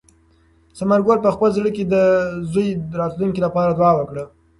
ثمر ګل په خپل زړه کې د زوی د راتلونکي لپاره دعا وکړه.